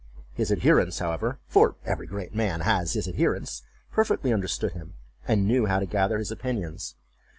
His adherents, however (for every great man has his adherents), perfectly understood him, and knew how to gather his opinions.